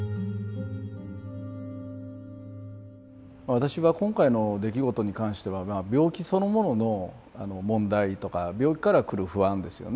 私は今回の出来事に関しては病気そのものの問題とか病気からくる不安ですよね